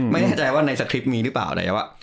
ไม่แน่ใจว่าในสคริปต์มีหรือเปล่าแล้ว